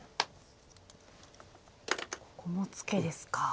このツケですか。